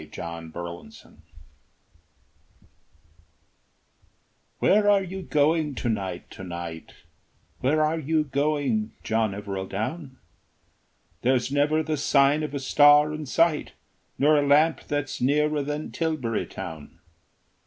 John Evereldown "Where are you going to night, to night, Where are you going, John Evereldown? There's never the sign of a star in sight, Nor a lamp that's nearer than Tilbury Town.